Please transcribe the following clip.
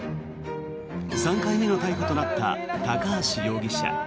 ３回目の逮捕となった高橋容疑者。